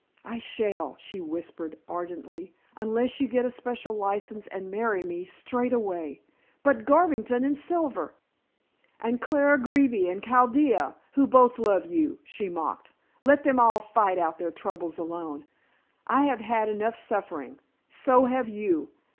"I shall," she whispered ardently, "unless you get a special license and marry me straightaway." "But Garvington and Silver " "And Clara Greeby and Chaldea, who both love you," she mocked. "Let them all fight out their troubles alone. I have had enough suffering; so have you.